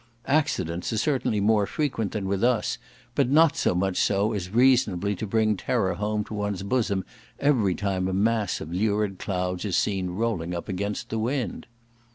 Accidents are certainly more frequent than with us, but not so much so as reasonably to bring terror home to one's bosom every time a mass of lurid clouds is seen rolling up against the wind.